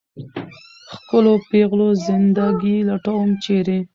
ښکلو پېغلو زنده ګي لټوم ، چېرې ؟